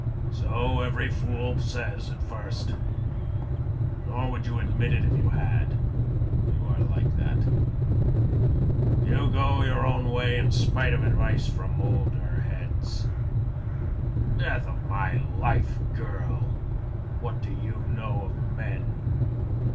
"So every fool says at first. Nor would you admit it if you had. You are like that. You go your own way in spite of advice from older heads. Death of my life, girl, what do you know of men?"